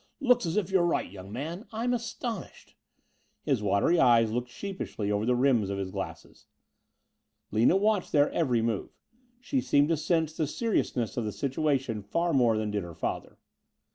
Looks as if you're right, young man. I'm astonished." His watery eyes looked sheepishly over the rims of his glasses. Lina watched their every move. She seemed to sense the seriousness of the situation far more than did her father.